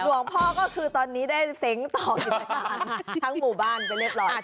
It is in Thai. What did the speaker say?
หลวงพ่อก็คือตอนนี้ได้เซ้งต่อกิจการทั้งหมู่บ้านไปเรียบร้อย